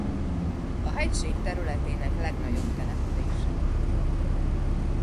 A hegység területének legnagyobb települése.